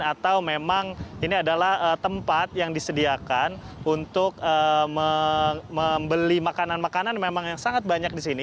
atau memang ini adalah tempat yang disediakan untuk membeli makanan makanan memang yang sangat banyak di sini